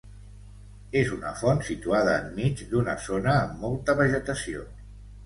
És una font situada enmig d'una zona amb molta vegetació.